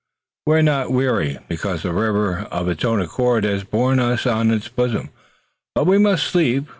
"We are not weary, because the river, of its own accord, has borne us on its bosom, but we must sleep.